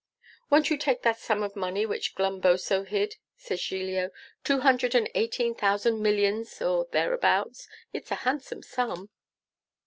'Won't you take that sum of money which Glumboso hid?' says Giglio; 'two hundred and eighteen thousand millions, or thereabouts. It's a handsome sum.